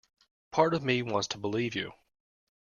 Part of me wants to believe you.